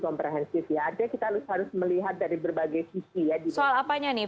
komprehensif ya ada kita harus melihat dari berbagai sisi ya soal apanya nih